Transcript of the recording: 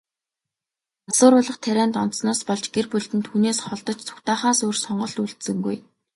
Мансууруулах тарианд донтсоноос болж, гэр бүлд нь түүнээс холдож, зугтаахаас өөр сонголт үлдсэнгүй.